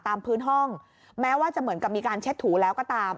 ตามพื้นห้องแม้ว่าจะเหมือนกับมีการเช็ดถูแล้วก็ตาม